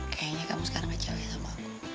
kayaknya kamu sekarang kecewa sama aku